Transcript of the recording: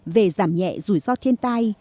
về giảm nhẹ rủi ro thiên tai